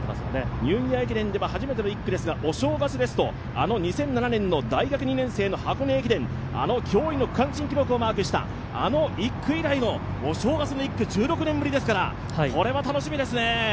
ニューイヤー駅伝では初めての１区ですが、お正月ですと、あの２００７年の大学２年生の大学駅伝、あの驚異の区間新記録をマークしたお正月以来、１６年ぶりですからこれは楽しみですね。